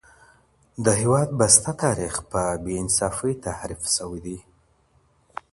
د هېواد بسته تاریخ په بې انصافۍ تحریف سوی دی.